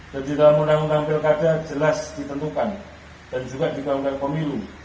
di dalam undang undang pilkada jelas ditentukan dan juga di undang undang pemilu